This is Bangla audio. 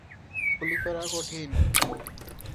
গুলি করা কঠিন।